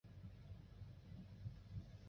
嘉庆十六年辛未科进士。